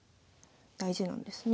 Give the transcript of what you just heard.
大事なんですね。